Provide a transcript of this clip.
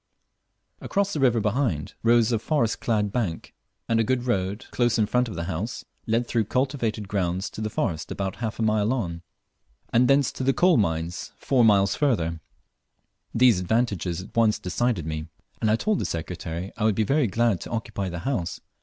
Across the river behind rose a forest clad bank, and a good road close in front of the horse led through cultivated grounds to the forest about half a mile on, and thence to the coal mines tour miles further. These advantages at once decided me, and I told the Secretary I would be very glad to occupy the house.